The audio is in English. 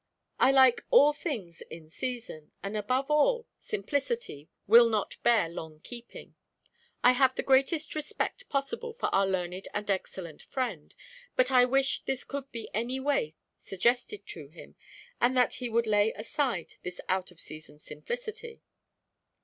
I like all things in season, and above all, simplicity will not bear long keeping. I have the greatest respect possible for our learned and excellent friend, but I wish this could be any way suggested to him, and that he would lay aside this out of season simplicity."